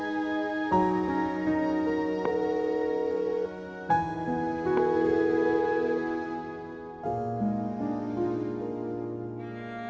malah ia otugas